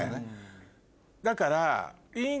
だから。